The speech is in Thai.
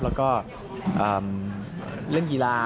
แล้วก็เล่นกีฬา